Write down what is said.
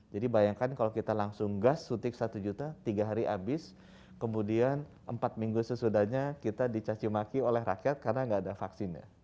jadi bayangkan kalau kita langsung gas sutik satu juta tiga hari habis kemudian empat minggu sesudahnya kita dicacimaki oleh rakyat karena tidak ada vaksinnya